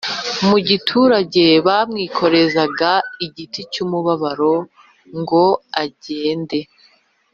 mu giturage bamwikoreza igiti cy umubabaro ngo agende